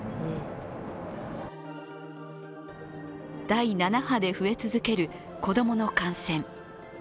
第７波で増え続ける子供の感染。